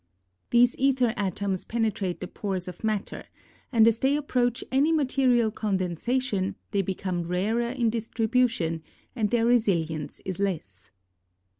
These aether atoms penetrate the pores of matter, and as they approach any material condensation they become rarer in distribution, and their resilience is less.